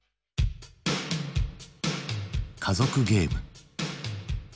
「家族ゲーム」。